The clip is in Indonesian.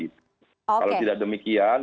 kalau tidak demikian